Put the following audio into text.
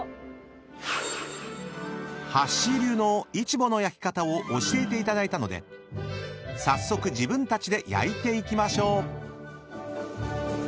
［はっしー流のイチボの焼き方を教えていただいたので早速自分たちで焼いていきましょう］